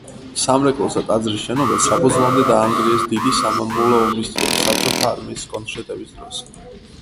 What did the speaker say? სამრეკლოც და ტაძრის შენობაც საფუძვლამდე დაანგრიეს დიდი სამამულო ომის დროს საბჭოთა არმიის კონტრშეტევის დროს.